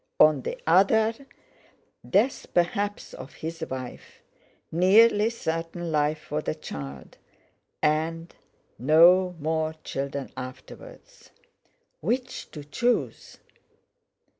On the other, death perhaps of his wife, nearly certain life for the child; and—no more children afterwards! Which to choose?....